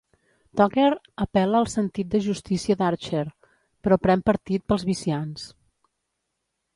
Tucker apel·la al sentit de justícia d'Archer, però pren partit pels Vissians.